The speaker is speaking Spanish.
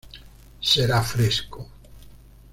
Será fresco.